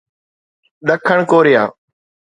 ڏکڻ ڪوريا